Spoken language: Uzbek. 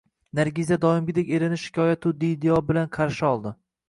Nargiza doimgidek erini shikoyatu diydiyo bilan qarshi oldi